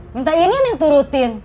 minta ini neng turutin